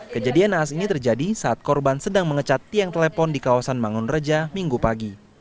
kejadian naas ini terjadi saat korban sedang mengecat tiang telepon di kawasan mangun reja minggu pagi